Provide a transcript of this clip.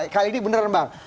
kali ini benar bang